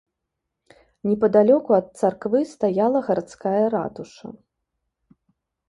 Непадалёку ад царквы стаяла гарадская ратуша.